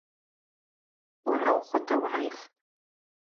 Уара ухвыта угӏайхтӏ.